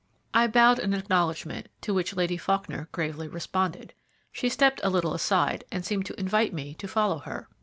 I bowed an acknowledgment, to which Lady Faulkner gravely responded. She stepped a little aside, and seemed to invite me to follow her.